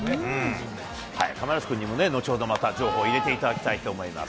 亀梨君にもね、後ほどまた情報を入れていただきたいと思います。